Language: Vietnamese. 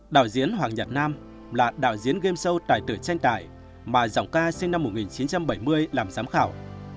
đạo diễn hoàng nhật nam là đạo diễn game show tài tử tranh tài mà giọng ca sinh năm một nghìn chín trăm bảy mươi làm giám khảo